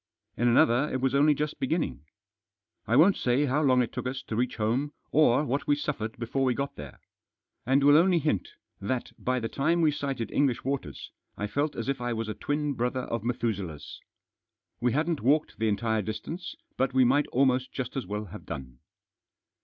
In another it was only just beginning. I won't say how long it took us to reach home or what we suffered before we got there. And will only hint that by the time we sighted English waters, I felt as if I was a twin brother of Methuselah's. We hadn't walked the entire distance, but we might almost just as well have done.